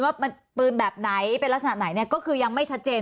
ว่ามันปืนแบบไหนเป็นลักษณะไหนเนี่ยก็คือยังไม่ชัดเจน